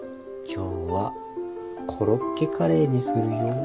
今日はコロッケカレーにするよ。